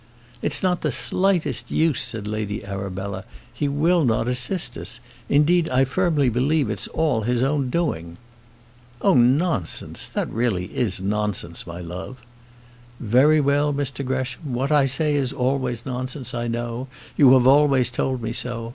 "It's not the slightest use," said Lady Arabella. "He will not assist us. Indeed, I firmly believe it's all his own doing." "Oh, nonsense! that really is nonsense, my love." "Very well, Mr Gresham. What I say is always nonsense, I know; you have always told me so.